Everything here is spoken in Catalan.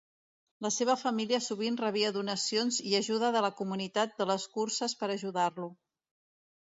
La seva família sovint rebia donacions i ajuda de la comunitat de les curses per ajudar-lo.